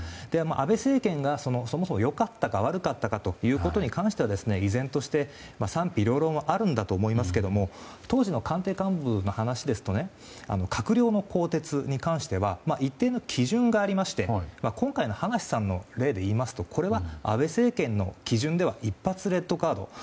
安倍政権が良かったか悪かったかということに関しては依然として賛否両論はあるんだと思いますが当時の官邸幹部の話ですと閣僚の更迭に関しては一定の基準がありまして今回の葉梨さんの例で言いますとこれは安倍政権の基準では一発レッドカード。